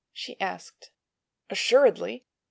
she asked. "Assuredly.